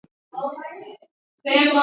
Twende shuleni tukasome.